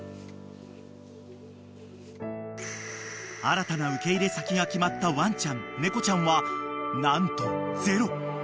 ［新たな受け入れ先が決まったワンちゃん猫ちゃんは何とゼロ］